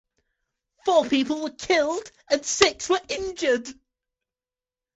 Four people were killed and six were injured.